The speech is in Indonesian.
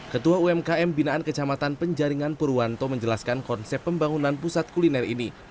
ketua umkm binaan kecamatan penjaringan purwanto menjelaskan konsep pembangunan pusat kuliner ini